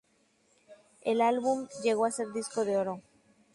El álbum llegó a ser disco de oro.